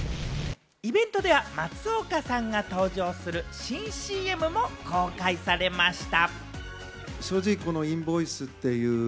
イベントでは松岡さんと登場する新ＣＭも公開されました。